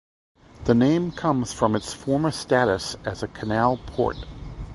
The name comes from its former status as a canal port.